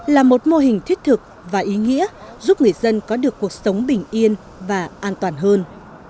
là một mô hình thiết thực và ý nghĩa giúp người dân có được cuộc sống bình yên và an toàn hơn